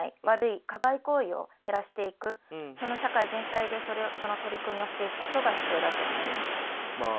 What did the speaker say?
悪い加害行為を減らしていく社会全体でその取り組みをしていくことが必要だと思います。